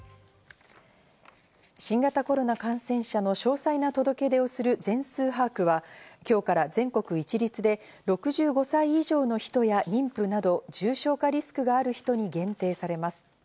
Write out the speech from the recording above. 新型コロナ感染者の詳細な届け出をする全数把握は、今日から全国一律で６５歳以上の人や、妊婦など重症化リスクがある人に限定されます。